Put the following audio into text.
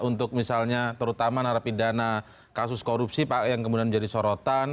untuk misalnya terutama narapidana kasus korupsi pak yang kemudian menjadi sorotan